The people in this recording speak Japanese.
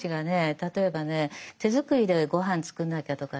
例えばね手作りでごはん作んなきゃとかね